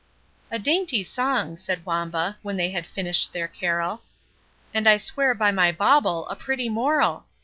"A dainty song," said Wamba, when they had finished their carol, "and I swear by my bauble, a pretty moral!